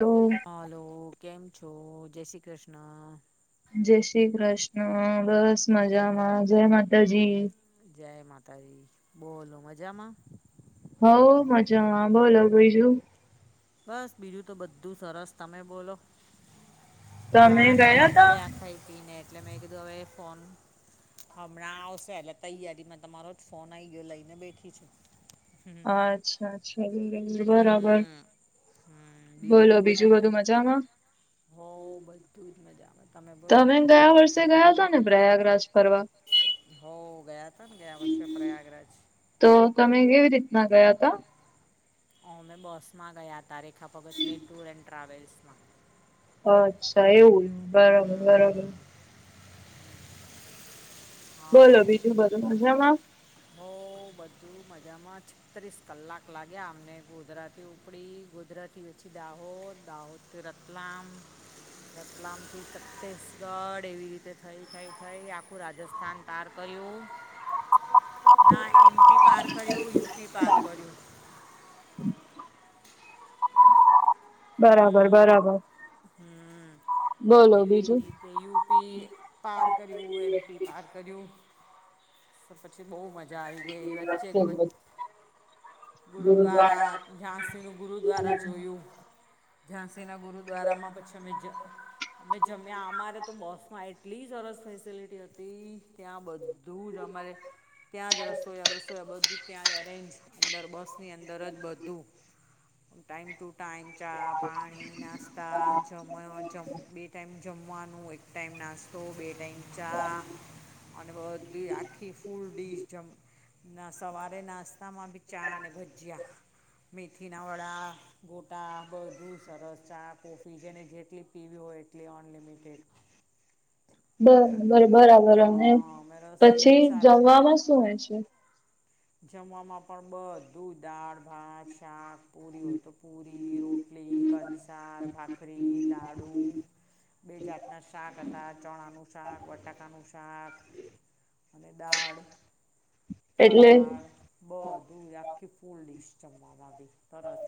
તો હાલો, કેમ છો? જય શ્રી કૃષ્ણ. જય શ્રી કૃષ્ણ. બસ મજામાં, જય માતાજી. જય માતાજી, બોલો મજામાં? હોવુ મજામાં, બોલો બીજું. બસ, બીજું તો બધું સરસ તમે બોલો? તમે હા, ગયા નવરા તા પડ્યા. ખા પીને, એટલે મેં કીધું હવે, ફોન હમણાં આવશે, એટલે તૈયારીમાં તમારો જ ફોન આઈ ગયો લઈને બેઠી છે. અચ્છા બરાબર. હમ બોલો બીજું બધા બધું મજામાં? હો બધું જ મજામાં. તમે ગયા વર્ષે ગયા તા ને પ્રયાગરાજ? ફરવા હો ગયા તાને ગયા વર્ષે પ્રયાગરાજ. તો તમે કેવી રીતના ગયા હતા? અ મેં બોસમાં ગયા હતા. રેખા પતની ટૂર એન્ડ ટ્રાવેલ્સમાં. અચ્છા, એવું? બરોબર બરોબર. હમ બોલો હા બીજું બધુ મજામાં? હો, બધું મજામાં. છત્રીસ કલાક લાગ્યા અમને ગોધરાથી ઉપડી ગોધરા પછી વછી દાહોદ, દાહોદથી રતલામ રતલામથી છત્તીસગઢ. એવી રીતે થઈ, થઈ, થઈ આખું રાજ્ય રાજસ્થાન પાર કર્યું. ના, એમ પી પાર કર્યું, યુ પી પાર કર્યું. બરાબર હમ્મ, બરાબર હમ્મ, બોલો એવી બીજું રીતે યુ પી પાર કર્યું, એમ પી પાર કર્યું. તો પછી બહુ મજા આવી ગઈ. એ વચ્ચે કે ગુરુદ્વાર ગુરુદ્વારા, ઝાંસીનું ગુરુદ્વારા જોયું. ઝાંસીના ગુરુદ્વારામાં પછી અમે જ અમે જમ્યા. અમારે તો બસમાં એટલી સરસ ફેસિલિટી હતી. ત્યાં બધ બધું જ અમારે ત્યાં જ રસોયા, બસોયા બધું ત્યાં જ અરેન્જ અંદર બસ ની અંદર જ બધું. આમ ટાઈમ ટુ ટાઈમ ચા, પાણી, નાસ્તા, જમ્યો જમ, બે ટાઈમ જમવાનું, એક એક ટાઈમ નાસ્તો, બે ટાઈમ ચા. અને બધી આખી ફૂલ ડીશ જમ ના સવારે નાસ્તામાં બી ચા અને ભજીયા. મેથીના વડા, ગોટા. બધું સરસ ચા, કોફી જેને જેટલી પીવી હોય એટલી અનલિમિટેડ. બર બ બરાબર અને હા અમે રસોઈયા પછી બી સાચ જમવામાં શું હોય છે? જમવામાં પણ બધું દાળ, ભાત, શાક. પૂરી હોય તો પુરી, રોટલી કંસાર, ભાખરી, લાડુ. બે જાતના શાક હતા. ચણાનું શાક, બટાકાનું શાક. અને દાળ એટલે સલાડ બધું આખી ફૂલ ડીશ જમવામાં ભી સરસ.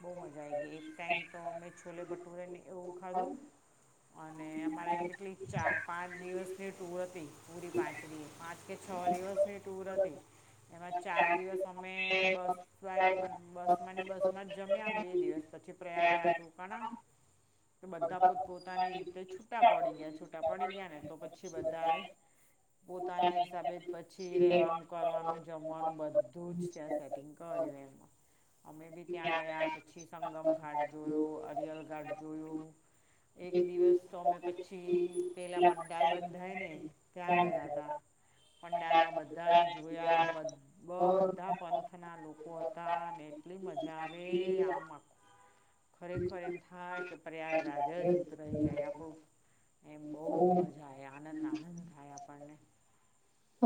બહુ મજા આઈ ગઈ. એક ટાઈમ તો અમે છોલે ભટુરેને એવું ખાધું. અને અમારે કેટલી ચા, પાંચ દિવસની ટૂર હતી. પૂરી પાંચ દી પાંચ કે છ દિવસની ટુર હતી, એમાં ચાર દિવસ અમે બસ તો બસમાં ને બસમાં જ જમ્યા. બે દિવસ પછી પ્રયાગરાજ રોકાણા. તો બધા પોત પોતાની રીતે છૂટા પડી ગયા. છૂટા પડી ગયા ને તો પછી બધાએ પોતાના હિસાબે જ પછી રેવાનું, કરવાનું, જમવાનું બધું જ ત્યાં સેટિંગ કર્યું એમાં. અમે બી ત્યાં ગયા પછી સંગમ ઘાટ જોયો, અરિયલ ઘાટ જોયો. એક દિવસ તો અમે પછી પેલા પંડાલ બંધાય ને ત્યાં ગયા તા પંડાલમાં બધાને જોયા. બધ બધા પંથ ના લોકો હતા અને એટલી મજા આવે આમ આખું ખરેખર એમ થાય કે પ્રયાગરાજ જ ઉતરાઈ જાય આપણું એમ બહુ મજા આવે. આનંદ આનંદ થાય આપણને.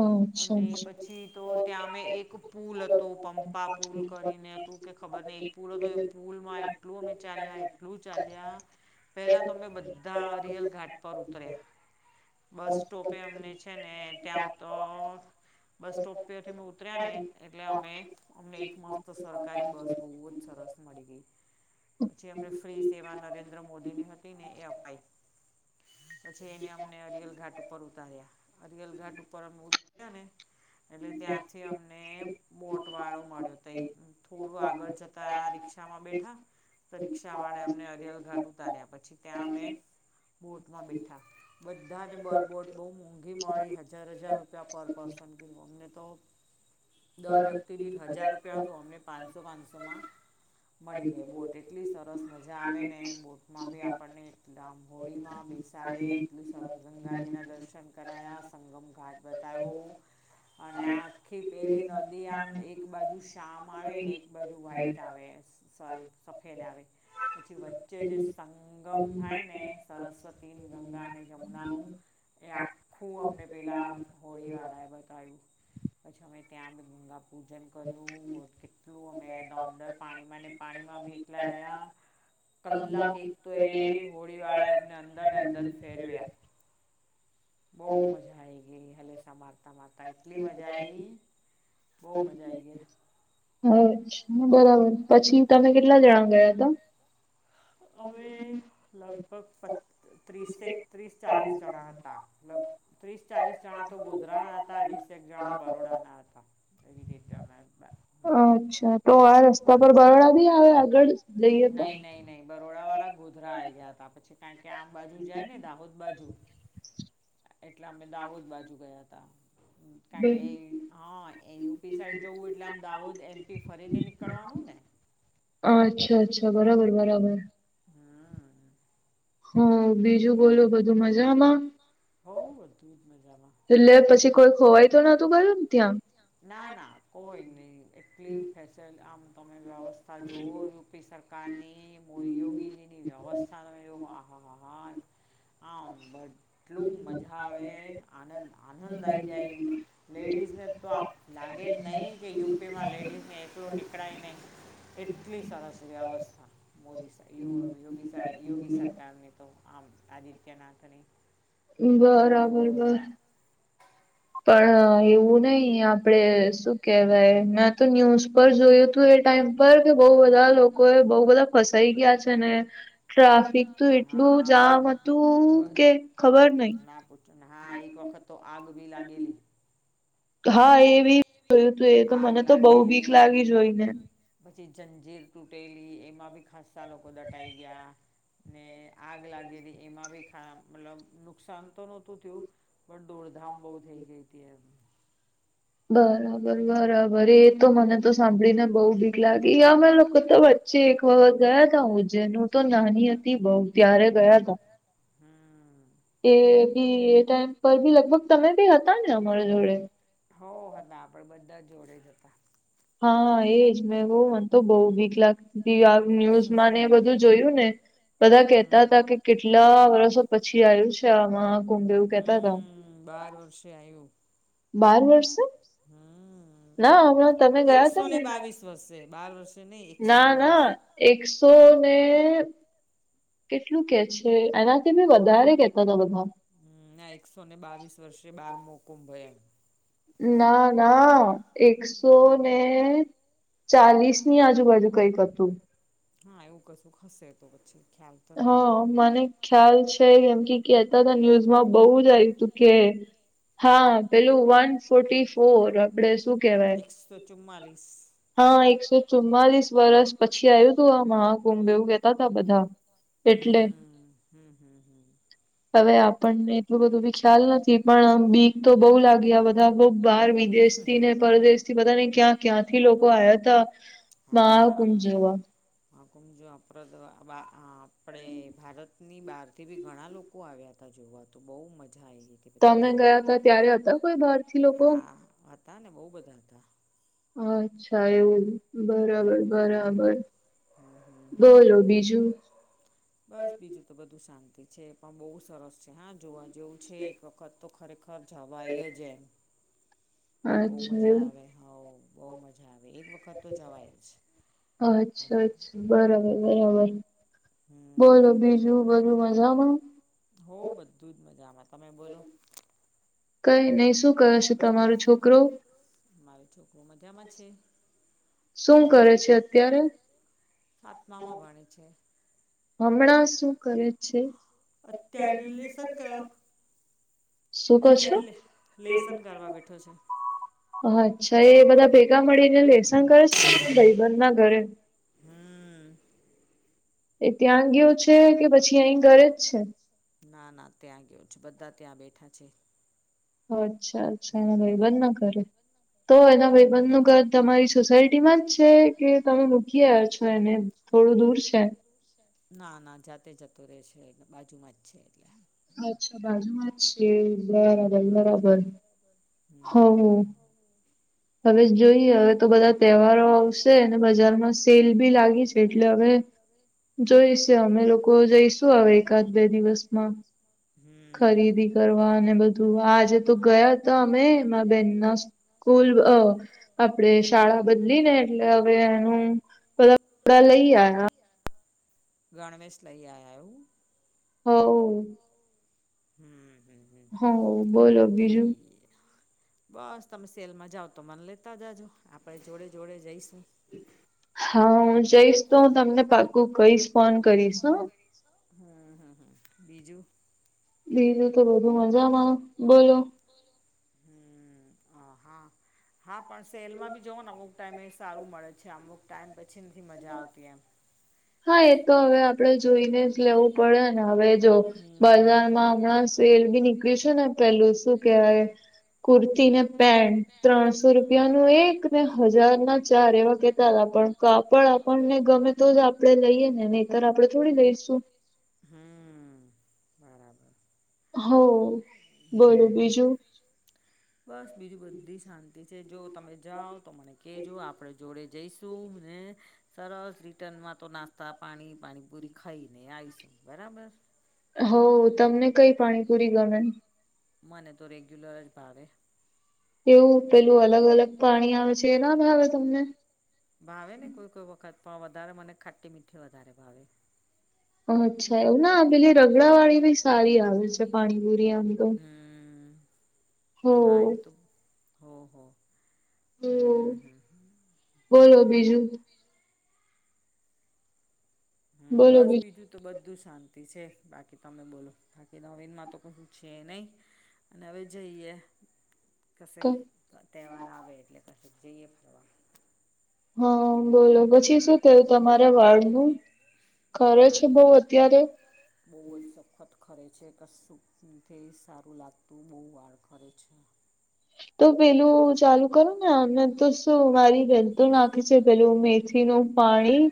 અચ્છા અને અચ્છા. પછી તો ત્યાં અમે એક પુલ હતો. પંપા પુલ કરીને હતું કે ખબર નહીં. પુલ હતો એ પુલમાં એટલું અમે ચાલ્યા એટલું ચાલ્યા. પેલા તો અમે બધા અરિયલ ઘાટ પર ઉતર્યા. બસ સ્ટોપે અમને છે, ને ત્યાં ઓ તો બસ સ્ટોપ પરથી અમે ઉતર્યા ને એટલે અમે અમને એક મસ્ત સરકારી બસ બહુ જ સરસ મળી ગઈ. પછી એમને ફ્રી સેવા નરેન્દ્ર મોદી ની હતી ને એ અપાઈ. પછી એને અમને અરિયલ ઘાટ ઉપર ઉતાર્યા. અરિયલ ઘાટ ઉપ પર અમે ઉતર્યા ને એટલે ત્યાંથી અમને બોટ વાળો મળ્યો તઈ થોડું આગળ જત તા રિક્ષામાં બેઠા. તો રિક્ષાવાળાએ અમને અરીયલ ઘાટ ઉતાર્યા. પછી ત્યાં અમે બોટમાં બેઠાં બધાને બ બોટ બહુ મોંઘી મળી હત હજાર હજાર રૂપિયા પર પર્સન કીધું અમને તો દર વ્યક્તિ દીઠ હજાર રૂપિયા હતું અમને પાંચસો પાંચસોમાં મળી ગઈ બોટ એટલી સરસ મજા આવે ને બોટમાં બી આપણને એટલે આમ હોળીમાં બેસાડે, એટલું સરસ ગંગાજીના દર્શન કરાયા. સંગમ ઘાટ બતાયવો. અને આખી પેલી નદી આમ એક બાજુ શામ આવે ને, એક બાજુ વ્હાઈટ આવે. સ્વયં સફેદ આવે. પછી વચ્ચે જે સંગમ થાય ને સરસ્વતી ન, ગંગાને, જમુનાનું. એ આખું અમને પેલા હોળી વાળાએ બતાયું પછી અમે ત્યાં બ ગંગા પૂજન કર્યું હો કેટલું અમે એના અંદર પાણીમાંને પાણીમાં બી એકલા રહ્યા [inaudible] કલાક એક તો એ હોળી વાળા અમને અંદર ને અંદર ફેરવ્યા બહુ મજા આઈ ગઈ હલેસા મારતા મારતા એટલી મજા આઈ બહુ મજા આઈ ગયા હછા બરાબર પછી તમે કેટલા જણા ગયા હતા? અવે લગભગ પ ત્રીસથી ત્રીસ ચાલીસ જણા હતા મતલબ ત્રીસ ચાલીસ જણા તો ગોધરા ના હતા વીસેક જણા બરોડાના હતા. [unintelligible] અચ્છા તો આ રસ્તા પર બરોડા ભી આવે આગળ જઈએ તો નહીં નહીં નહીં બરોડા વાળા ગોધરા આયા હતા પછી ક કે આમ બાજુ જાય ને દાહોદ બાજુ એટલે અમે દાહોદ બાજુ ગયા હતા કારણ કે એ હા એ એમપી સાઈડ જવું એટલે આમ દાહોદ એમપી ફરીને નીકળવાનું ને અચ્છા અચ્છા અચ્છા બરાબર બરાબર હા હ બીજું બોલો બધું મજામાં?? હોઉ બધું જ મજામાં. એટલે પછી કોઈ ખોવાય તો નતું ગયું ને ત્યાં [inaudible] ના ના કોઈ નહીં એટલી ફેસેલ આમ તમે વ્યવસ્થા જોવો ને [unintelligible] વ્યવસ્થાનો એવું હા હા હાય આમ બટ એટલું મજા આવે આનંદ આનંદ આઇ જાય લેડીઝને તો આપ લાગેજ નહી, કે યુપીમાં લેડીઝને એકલું નીકળાય નહી. એટલી સરસ વ્યવસ્થા મોદી સયો યોગી સ યોગી સરકારને તો આમ આદિત્યનાથને બરાબર બર પણ એવું નહી આપડે શું કેહેવાય મેં તો ન્યૂઝ પર જોયું હતું એ ટાઈમ પર કે બહુ બધા લોકો એ બહુ બધા ફસાઈ ગયા છે ને ટ્રાફિક તો એટલું હા જામ બધ હતું બધ કે ખબર નઈ ના પૂછો હા, એક વખત તો આગ બી લાગેલી. હા એ બી જોયું તું એ તો આગ મને તો બહુ બીક લાગેલી લાગી જોઈને પછી જંજીર તૂટેલી એમાં બી ખાસ્સા લોકો દટાઈ ગયા ને આગ લાગેલી એમાં બી ખાસ, મતલબ નુકસાન તો નહોતું થયું. પણ દોડધામ બહુ થઇ ગઈ હતી એમ બરાબર, બરાબર, એ તો મને તો સાંભળીને બઉ બી- લાગી. અમે લોકો તો વચ્ચે એક વખત ગયા તા ઉજ્જૈન હું તો નાની હતી બવ ત્યારે ગયાતા. હમ્મ એ બી એ ટાઈમ પર બી લગભગ તમે બી હતા ને અમારી જોડે હો હતા આપડે બધા જોડે જ હતા. હા એજ મેં બઉ મન તો બઉ બીક લાગ બધી આ ન્યુઝમાંને બધું જોયું ને બધા કેહતા હમ હતાકે, કેટલા વર્ષો પછી આવ્યું છે આ મહા કુંભ એવું. કેતા હતા હમ્મ, બાર વર્ષે આયુ. બાર વર્ષે હમ્મ, ના હમણાં તમે ગયા તા એકસો ને બાવીસ વર્ષે, બાર વર્ષ ના ના એકસો ને કેટલું કહે છે એનાથી પણ વધારે કહેતા હતા, બધા. હમ ના એકસો ને બાવીસ વર્ષે બારમો કુંભ હોય એમ ના ના, એકસો ને ચાલીસની આજુબાજુ કઈક હતું હા એવું કશુંક હસેતો, પછી ખ્યાલ તો હ નહીં મને ખ્યાલ છે કેમ કે કેતા તા ન્યૂઝમાં બહુ જ આવ્યું તું કે હા પેલું વન ફોર્ટી ફોર આપડે શું કેહેવાય એકસો ચુમ્માલીસ હા એકસો ચુમ્માલીસ વર્ષ પછી આવ્યું તું આ મહાકુંભ એવું કહેતા તાા બધ. એટલે હમ હમ હમ હમ હવે આપણને એટલું બધું બી ખ્યાલ નથી પણ બીક તો બહુ લાગી આ બધા બવ બહાર વિદેશથી ને પરદેશથી બધાને ક્યાં ક્યાંથી લોકો આયાતા. [unintelligible] જેવા મહાકુંભ જો [unintelligible] આ આપણે ભારત ની બહારથી પન ઘણા લોકો આવ્યા હતા જોવા તો બહુ મજા આવી ગઈ. તો અમે ગયા હતા ત્યારે હતા કોઈ બાર હા હતા ને બહુ બધા હતા. અચ્છા એવું બરાબર હમ બરાબર, હમ હમ હમ બોલો હમ બીજું. બસ બીજું તો બધું શાંતિ છે, પણ બહુ સરસ છે હા જોવા જેવું છે એક વખત તો ખરેખર [unintelligible] બહુ અચ્છા મજા એવું આવે, હોવ બહુ મજા આવે એક વખ- અચ્છા અચ્છા બરાબર બરાબર. બોલો હમ બીજું બધું મજામાં હમ. બધું જ મજામાં તમે બોલો. કઈ નહી શું કહે છે તમારો છોકરો? મારો છોકરોઓ મજામાં છે શું તમે છો કરે છે અત્યારે આત્મામાં ભણે છે. હમણાં શું કરે છે. અત્યારે લેસન કર શું કહો છો ત્યાં લેસન કરવા બેઠો છે. અચ્છા એ બધા ભેગા મળીને લેસન કરે છે ભાઈબંધ ના ઘરે હમ હમ એ ત્યાં ગયો છે કે પછી અહી ઘરે જ છે? ના ના ત્યાં ગયો છ બધા ત્યાં બેઠા છે. અચ્છા અચ્છા એના હમ ભાઈ બંધ ના ઘરે તો એના ભાઈ બંધ નું ઘર તમારી સોસાયટીમાં જ છે કે તમે મૂકી આવ્યા છો? એને થોડું દૂર છે. ના ના જાતે જતો રહેશે એટલે બાજુમાં જ છે એટલે અચ્છા બાજુમાં જ છે બરાબર હમ બરાબર હો હવે જોઈએ હવે તો બધા તહેવારો આવશે અને બજારમાં સેલ બી લાગી છે એટલે હવે જોઈ છે અમે લોકો જઈશું હવે એકાદ બે દિવસમાં ખરીદી હમ કરવા અને બધું આજે તો ગયા તો અમે એમાં બેન ના સ્કૂલ આપડે શાળા બદલી ને એટલે હવે એનું બધાપડા લઈ આયા ગણવેશ લઈ આયા હું હોવ હમ હમ હમ હોવ બોલો બીજું ઠી બસ તમે સેલમાં જાઓ તો મન લેતા જાજો આપણે જોડે જોડે જઈશું. હા હું જઈશ તો હું તમને પાકું કહીશ ફોન કરીશ હો હમ હમ હમ બીજું? બીજું તો બધું મજામાં બોલો હમ હ હા હા પણ સેલમાં બી જોવ ને હું ટાઈમે સારું મળે છે આમું ટાઈમ પછી નથી મ મજા આવતી એમ હા એ તો હવે આપડે જોઈને જ લેવું પડે ને હવે જો હમ બજારમાં હમણાં સેલ બી નીકળી છેું ને પેલું શું કેહેવાય કુર્તીને પેન્ટ ત્રણસો રૂપિયા નું એક ને હજાર ના ચાર એવા કેતાતા પણ કાપ પણ આપણને ગમે તો જ આપડે લઈએ ને નહીતર આપણે થોડી લઈશું હમ બરા હો બોલો હમ હમ બીજું બસ બીજું બધી શાંતિ છે જો તમે જાવ તો મને કેજો આપણે જોડે જઈશું હે સરસ રિટર્નમાં તો નાસ્તા પાણી પાણીપુરી ખઈ ને આએઇ શું બરાબર હો તમને કઈ પાણીપુરી ગમે મને તો રેગ્યુલર જ ભાવે એવું પેલું અલગ અલગ પાણી આવે છે એ ના ભાવે તમને ભાવે ને કોઈ કોઈ વખત પણ વધારે મને ખાટી મીઠી વધારે ભાવે અચ્છા એવું ના પેલી રગડાવાળી બી સારી આવે છે પાણીપુરી એમ હમ હો હા એ તો હો હો હમ હમ બોલો બીજું હમ બસ બીજું તો બધું શાંતિ છે. બાકી તમે બોલો થાકેલા હોય મારતો કોઈ પૂછે નહી. અને હવે જઈએ કશેક કઈ તહેવાર આવે એટલે કશે જઈએ ફરવા હ બોલો પછી શું થયું તમારે વાળનું ખરે છે બઉ માનું અત્યારે બહુ જ સખત ખરે છે કશુંથી સારું લાગતું બહુ વાળ ખરે છે. તો પેલું ચાલુ કરો ને ઓનલાઇન તો શું મારી બેનતો નાખેછે પેલું મેથી એનું પાણી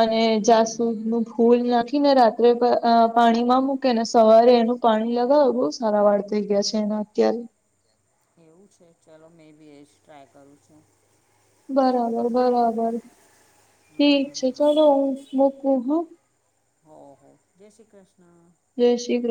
અને જાસુદ હમ નું ફૂલ નાખી ને રાત્રે અ પાણીમાં મૂકેને સવારે એનું પાણી લગાવું સારા વાર થઈ ગયા છે એના અત્યારે એવું છે ચલો મેં બી એજ ટ્રાય કરું છું. બરાબર બરાબર ઠીક હમ છે હમ ચલો હું મુકું હો. હો હો જયશ્રી કૃષ્ણ જયશ્રી કૃષ